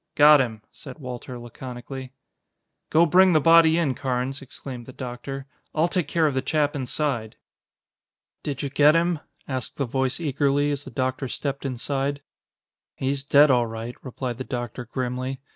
"Got him," said Walter laconically. "Go bring the body in, Carnes," exclaimed the doctor. "I'll take care of the chap inside." "Did you get him?" asked the voice eagerly, as the doctor stepped inside. "He's dead all right," replied the doctor grimly.